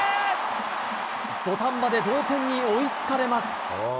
土壇場で同点に追いつかれます。